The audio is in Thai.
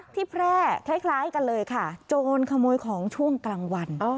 ที่แพร่คล้ายคล้ายกันเลยค่ะโจรขโมยของช่วงกลางวันอ้อ